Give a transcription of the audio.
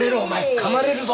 噛まれるぞ。